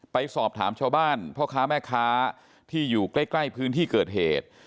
ไปสอบถามชาวบ้านพ่อค้าแม่ค้าที่อยู่ใกล้พื้นที่เกิดเหตุ